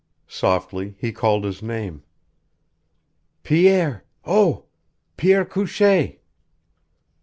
Softly he called his name. "Pierre ho, Pierre Couchee!"